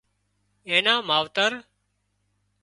اين نان ماوتر